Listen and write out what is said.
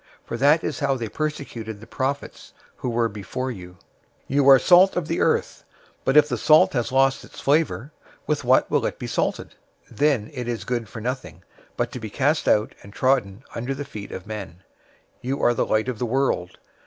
For that is how they persecuted the prophets who were before you. 005:013 "You are the salt of the earth, but if the salt has lost its flavor, with what will it be salted? It is then good for nothing, but to be cast out and trodden under the feet of men. 005:014 You are the light of the world.